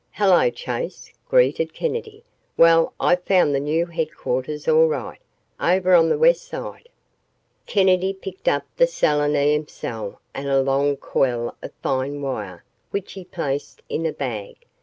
"Hello, Chase," greeted Kennedy. "Well, I've found the new headquarters all right, over on the west side." Kennedy picked up the selenium cell and a long coil of fine wire which he placed in a bag.